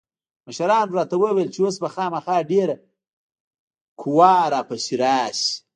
مشرانو راته وويل چې اوس به خامخا ډېره قوا را پسې راسي.